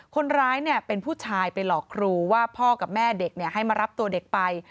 คนร้ายเป็นผู้ชายไปหลอกครูว่าพ่อกับแม่เด็กให้มารับตัวเด็กไป